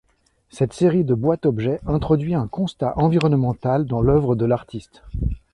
Cette série de boîtes-objets introduit un constat environnemental dans l'œuvre de l'artiste.